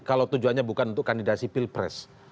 kalau tujuannya bukan untuk kandidasi pilpres